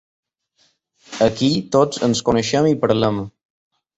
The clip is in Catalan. Aquí tots ens coneixem i parlem.